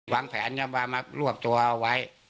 วางแผนมารวบตัวเอาไว้